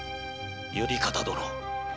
頼方殿。